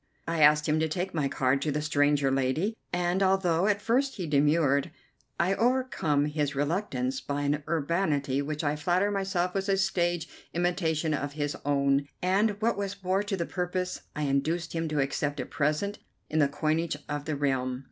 I asked him to take my card to the stranger lady, and, although at first he demurred, I overcome his reluctance by an urbanity which I flatter myself was a stage imitation of his own, and, what was more to the purpose, I induced him to accept a present in the coinage of the realm.